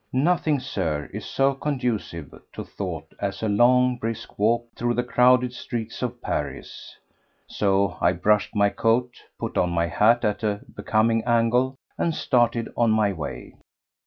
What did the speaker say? Nothing, Sir, is so conducive to thought as a long, brisk walk through the crowded streets of Paris. So I brushed my coat, put on my hat at a becoming angle, and started on my way.